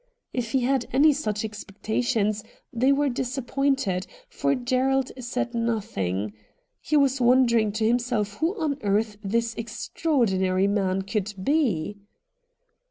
If he had any such expecta tions they were disappointed, for Gerald said nothing. He was wondering to himself who on earth this extraordinary man could be.